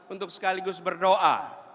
untuk sekaligus berdoa